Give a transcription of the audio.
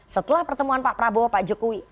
setelah pertemuan pak prabowo pak jokowi